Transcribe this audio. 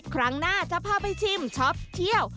ครั้งหน้าจะพาไปชิมช็อปเที่ยว